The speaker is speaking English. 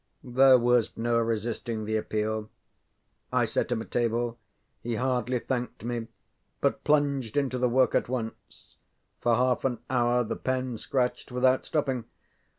ŌĆØ There was no resisting the appeal. I set him a table; he hardly thanked me, but plunged into the work at once. For half an hour the pen scratched without stopping.